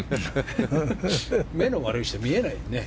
目の悪い人、見えないよね。